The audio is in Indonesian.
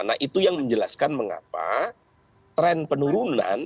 nah itu yang menjelaskan mengapa tren penurunan